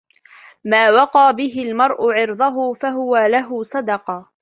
مَا وَقَى بِهِ الْمَرْءُ عِرْضَهُ فَهُوَ لَهُ صَدَقَةٌ